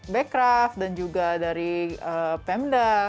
becraf dan juga dari pemda